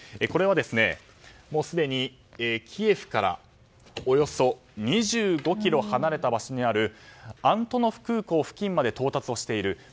これはもうすでに、キエフからおよそ２５ｋｍ離れた場所にあるアントノフ空港付近まで到達している。